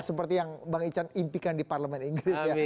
seperti yang bang ican impikan di parlemen inggris ya